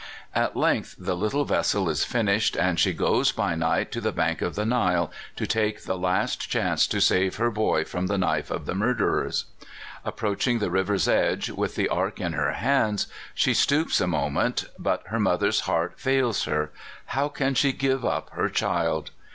At length, the little vessel is finished, and she goes by night to the bank of the Nile, to take the last chance to save her boy from the knife of the murderers. Approaching the river's edge, with the ark in her hands, she stoops a moment, but her mother's heart fails her. How can she give up her child?